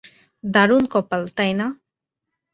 দারুন কপাল, তাই না?